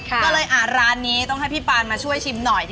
ก็เลยร้านนี้ต้องให้พี่ปานมาช่วยชิมหน่อย